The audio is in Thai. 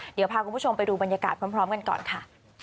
เดี๋ยวพาคุณผู้ชมไปดูบรรยากาศพร้อมกันก่อนค่ะ